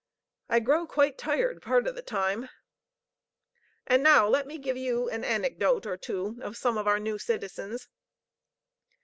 I grow quite tired part of the time. And now let me give you an anecdote or two of some of our new citizens.